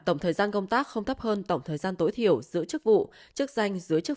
tổng thời gian công tác không thấp hơn tổng thời gian tối thiểu giữ chức vụ chức danh dưới chức